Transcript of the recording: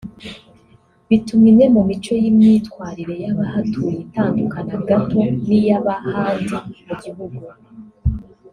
bituma imwe mu mico n’imyitwarire y’abahatuye itandukana gato n’iy’ab’ahandi mu gihugu